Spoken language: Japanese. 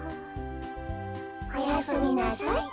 おやすみなさい。